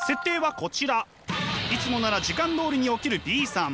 いつもなら時間どおりに起きるＢさん。